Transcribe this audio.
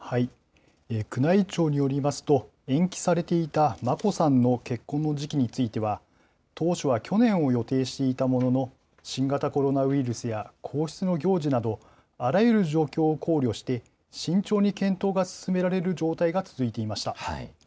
宮内庁によりますと、延期されていた眞子さんの結婚の時期については、当初は去年を予定していたものの、新型コロナウイルスや皇室の行事など、あらゆる状況を考慮して、慎重に検討が進められる状態が続いていました。